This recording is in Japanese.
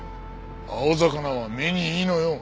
青魚は目にいいのよ。